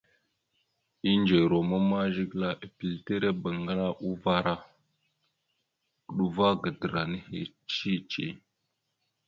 Indze ruma ma Zigəla epilire bangəla uvar a, uɗuva gadəra nehe cici.